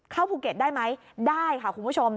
เข้าภูเก็ตได้ไหมได้ค่ะคุณผู้ชม